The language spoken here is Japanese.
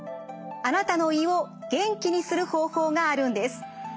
あなたの胃を元気にする方法があるんです。